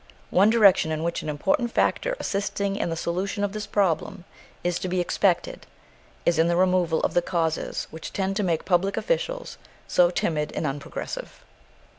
One direction in which an important factor assisting in the solution of this problem is to be expected is in the removal of the causes which tend to make public officials so timid and unprogressive.